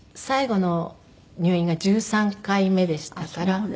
最後の入院が１３回目でしたから。